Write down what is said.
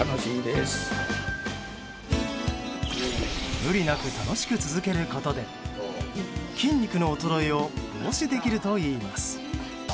無理なく楽しく続けることで筋肉の衰えを防止できるといいます。